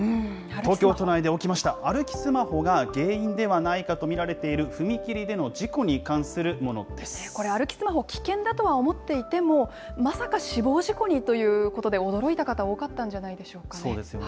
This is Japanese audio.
東京都内で起きました、歩きスマホが原因ではないかと見られている踏切での事故に関するこれ、歩きスマホ、危険だとは思っていても、まさか死亡事故にということで、驚いた方、そうですよね。